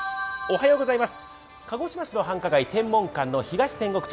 鹿児島市の繁華街、天文館、東千石町。